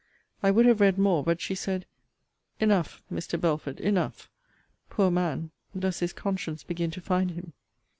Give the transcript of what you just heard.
I would have read more; but she said, Enough, Mr. Belford, enough! Poor man, does his conscience begin to find him!